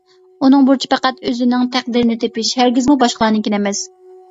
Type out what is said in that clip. ئۇنىڭ بۇرچى پەقەت ئۆزىنىڭ تەقدىرىنى تېپىش، ھەرگىزمۇ باشقىلارنىڭكىنى ئەمەس.